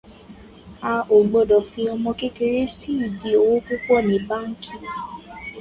A ò gbọdọ̀ fi ọmọ kékeré sí ìdí owó púpọ̀ ní báǹkì